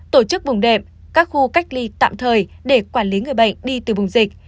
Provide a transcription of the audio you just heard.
tổ chức vùng đệm các khu cách ly tạm thời để quản lý người bệnh đi từ vùng dịch